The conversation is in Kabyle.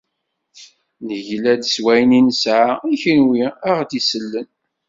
Negla-d s wayen i nesɛa, i kunwi i aɣ-d-isellen.